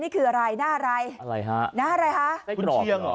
ขุมเชียงเหรอ